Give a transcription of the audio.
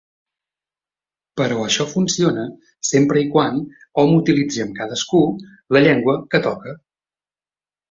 Però això funciona sempre i quan hom utilitzi amb cadascú la llengua que toca.